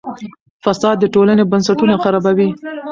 فساد د ټولنې بنسټونه خرابوي.